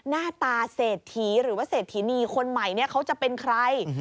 หน้าตาเศรษฐีหรือว่าเศรษฐีนีคนใหม่เขาจะเป็นใคร